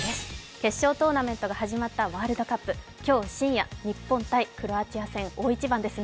決勝トーナメントが始まったワールドカップ、今日深夜、日本×クロアチア、大一番ですね。